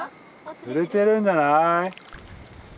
釣れてるんじゃない？